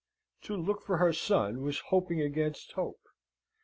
To look for her son, was hoping against hope.